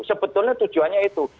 sebetulnya tujuannya itu